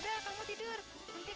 semalam aku gak tidur